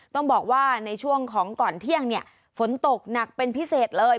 ต้องบอกว่าในช่วงของก่อนเที่ยงเนี่ยฝนตกหนักเป็นพิเศษเลย